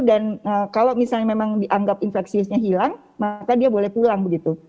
dan kalau misalnya memang dianggap infeksi nya hilang maka dia boleh pulang begitu